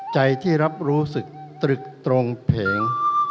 ใจที่รับรู้สึกตรึกตรงเพลง